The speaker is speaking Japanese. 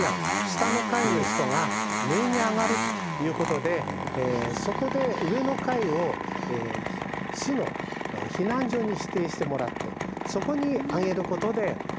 下の階の人が上に上がるっていうことでそこで上の階を市の避難所に指定してもらってそこに上げることでみんなを守ろう。